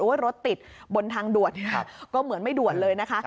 โอ๊ยรถติดบนทางดวดนี่ฮะก็เหมือนไม่ดวดเลยนะคะ